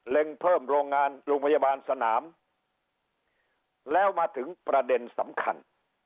เพิ่มโรงงานโรงพยาบาลสนามแล้วมาถึงประเด็นสำคัญ